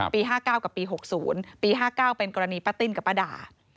๕๙กับปี๖๐ปี๕๙เป็นกรณีป้าติ้นกับป้าดา